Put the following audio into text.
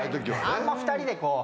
あんま２人でこう。